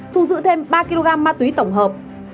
thu giữ thêm ba kg ma túy tổng hợp